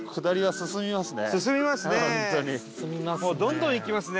進みますね。